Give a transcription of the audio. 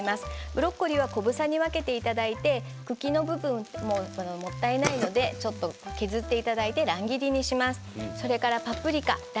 ブロッコリーは小房に分けていただいて茎の部分ももったいないので削っていただいて乱切りにします。